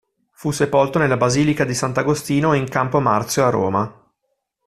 Fu sepolto nella Basilica di Sant'Agostino in Campo Marzio a Roma.